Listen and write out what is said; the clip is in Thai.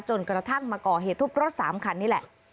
จนกระทั่งมาก่อเหตุทุบรถ๓คันนี่แหละ